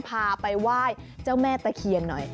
พาไปไหว้เจ้าแม่ตะเคียนหน่อย